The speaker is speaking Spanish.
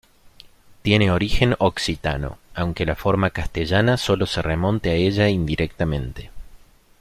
Tiene origen occitano, aunque la forma castellana sólo se remonte a ella indirectamente.